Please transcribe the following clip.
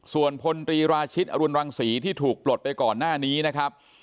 ส่วนพลตรีราชิตอรุณรังศรีที่ถูกปลดไปก่อนหน้านี้นะครับ